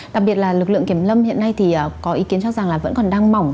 đặc biệt là lực lượng kiểm lâm hiện nay thì có ý kiến cho rằng là vẫn còn đang mỏng